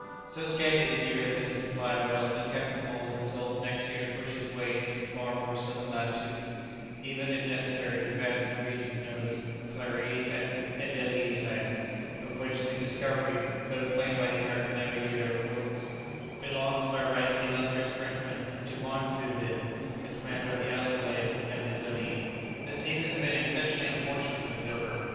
So scanty this year had been the supply of whales that Captain Hull had resolved next year to push his way into far more southern latitudes; even, if necessary, to advance to the regions known as Clarie and Adélie Lands, of which the discovery, though claimed by the American navigator Wilkes, belongs by right to the illustrious Frenchman Dumont d'Urville, the commander of the "Astrolabe" and the "Zélee." The season had been exceptionally unfortunate for the "Pilgrim."